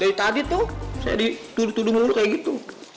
dari tadi tuh saya dituduh tuduh kayak gitu